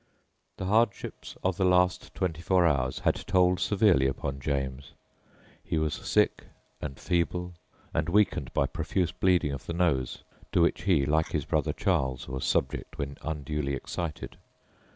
The hardships of the last twenty four hours had told severely upon James. He was sick and feeble and weakened by profuse bleeding of the nose, to which he, like his brother Charles, was subject when unduly excited.